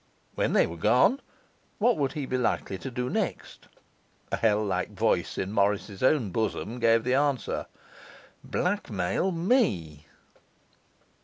When they were gone, what would he be likely to do next? A hell like voice in Morris's own bosom gave the answer: 'Blackmail me.